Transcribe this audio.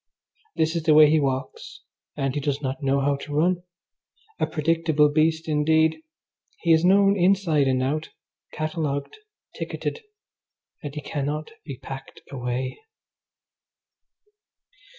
This is the way he walks, and he does not know how to run. A predictable beast indeed! He is known inside and out, catalogued, ticketed, and he cannot be packed away.